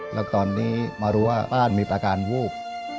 แล้วตอนนี้มารู้ว่าบ้านมีอาการวูบ